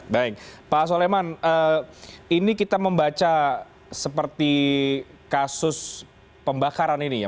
baik pak soleman ini kita membaca seperti kasus pembakaran ini ya